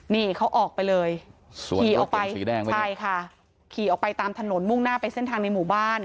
นี่เขาออกไปเลยขี่ออกไปสีแดงเลยใช่ค่ะขี่ออกไปตามถนนมุ่งหน้าไปเส้นทางในหมู่บ้าน